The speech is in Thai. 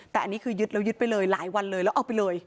แต่อันนี้คือยึดแล้วยึดไปเลยหลายวันเลยแล้วเอาไปเลย